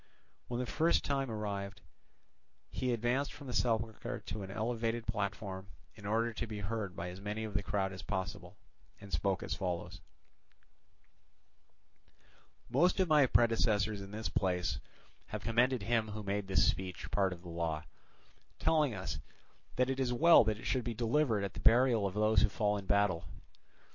When the proper time arrived, he advanced from the sepulchre to an elevated platform in order to be heard by as many of the crowd as possible, and spoke as follows: "Most of my predecessors in this place have commended him who made this speech part of the law, telling us that it is well that it should be delivered at the burial of those who fall in battle.